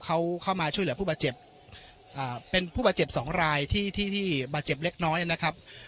เขาเข้ามาช่วยเหลือผู้บาดเจ็บอ่าเป็นผู้บาดเจ็บสองรายที่ที่บาดเจ็บเล็กน้อยนะครับ